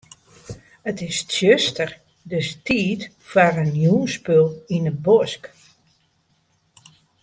It is tsjuster, dus tiid foar in jûnsspul yn 'e bosk.